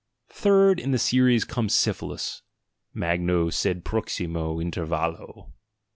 Third in the series cornes syphilis — magno sed proximo intcrvallo.